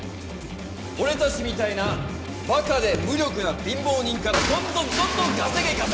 俺たちみたいなばかで無力な貧乏人からどんどんどんどん稼げ稼げ稼げ！